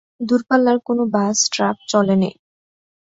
দূরপাল্লার কোনো truck bus চলেনি।